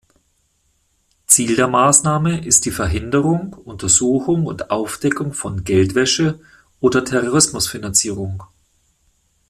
Ziel der Maßnahme ist die Verhinderung, Untersuchung und Aufdeckung von Geldwäsche oder Terrorismusfinanzierung.